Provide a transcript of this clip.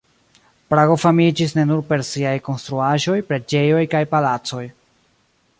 Prago famiĝis ne nur per siaj konstruaĵoj, preĝejoj kaj palacoj.